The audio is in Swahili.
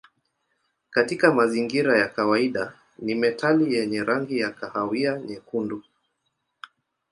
Katika mazingira ya kawaida ni metali yenye rangi ya kahawia nyekundu.